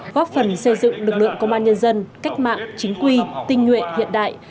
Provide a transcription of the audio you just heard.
góp phần xây dựng lực lượng công an nhân dân cách mạng chính quy tinh nguyện hiện đại